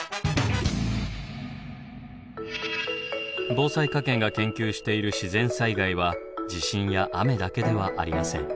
防災科研が研究している自然災害は地震や雨だけではありません。